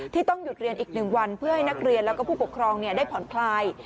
ต้องหยุดเรียนอีก๑วันเพื่อให้นักเรียนแล้วก็ผู้ปกครองได้ผ่อนคลาย